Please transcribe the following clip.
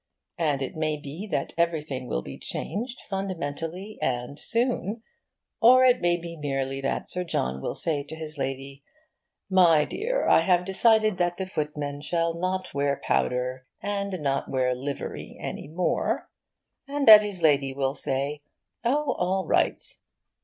And it may be that everything will be changed, fundamentally and soon. Or it may be merely that Sir John will say to his Lady, 'My dear, I have decided that the footmen shall not wear powder, and not wear livery, any more,' and that his Lady will say 'Oh, all right.